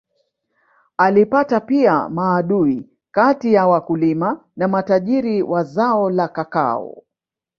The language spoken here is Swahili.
Alipata pia maadui kati ya wakulima na matajiri wa zao la kakao